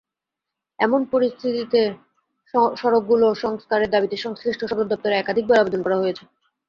এমন পরিস্থিতিতে সড়কগুলো সংস্কারের দাবিতে সংশ্লিষ্ট সব দপ্তরে একাধিকবার আবেদন করা হয়েছে।